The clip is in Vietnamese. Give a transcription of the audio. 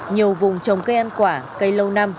nhiều vùng trồng cây ăn quả cây lâu năm